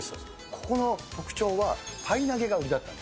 ここの特徴はパイ投げが売りだったの。